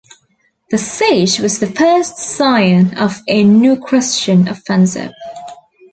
The siege was the first sign of a new Christian offensive.